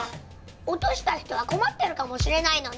落とした人は困ってるかもしれないのに。